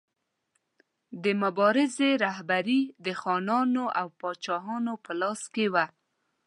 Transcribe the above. د مبارزې رهبري د خانانو او پاچاهانو په لاس کې وه.